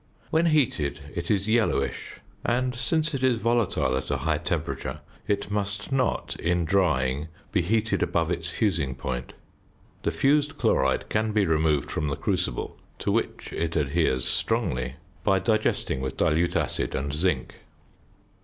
When heated it is yellowish; and, since it is volatile at a high temperature, it must not, in drying, be heated above its fusing point. The fused chloride can be removed from the crucible (to which it adheres strongly) by digesting with dilute acid and zinc.